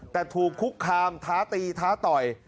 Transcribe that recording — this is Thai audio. แต่ถูกคุกคามท้าตีท้าต่อย